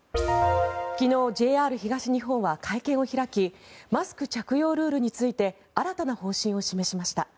昨日、ＪＲ東日本は会見を開きマスク着用ルールについて新たな方針を示しました。